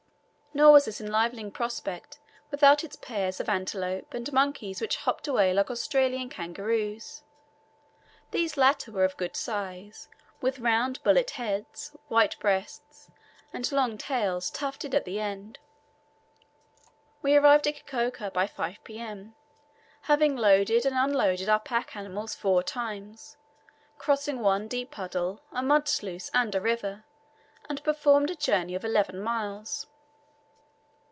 Nor was this enlivening prospect without its pairs of antelope, and monkeys which hopped away like Australian kangaroos; these latter were of good size, with round bullet heads, white breasts, and long tails tufted at the end. We arrived at Kikoka by 5 P.M., having loaded and unloaded our pack animals four times, crossing one deep puddle, a mud sluice, and a river, and performed a journey of eleven miles.